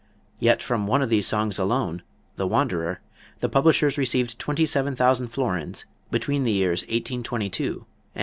Yet from one of these songs alone, "The Wanderer," the publishers received twenty seven thousand florins between the years 1822 and 1861.